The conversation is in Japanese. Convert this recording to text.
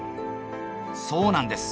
そうなんです。